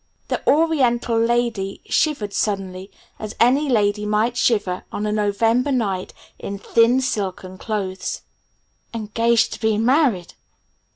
The oriental lady shivered suddenly, as any lady might shiver on a November night in thin silken clothes. "Engaged to be married?"